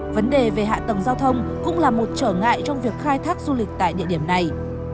vấn đề về hạ tầng giao thông cũng là một trở ngại trong việc khai thác du lịch tại địa điểm này